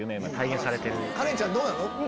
カレンちゃんどうなの？